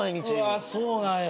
うわそうなんや。